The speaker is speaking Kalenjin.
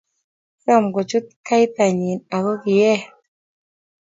kisom kochut kaitanyin, ako kieet?